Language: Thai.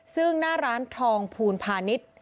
ซึ่งหน้าร้านทองภูลพาณิชย์